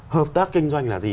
hợp tác kinh doanh là gì